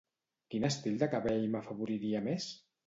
Quin estil de cabell m'afavoriria més?